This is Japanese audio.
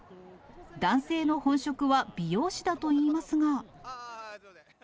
男性の本職は美容師だといいますが。